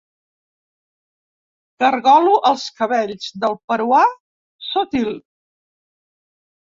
Cargolo els cabells del peruà Sotil.